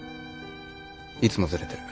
いつもずれてる。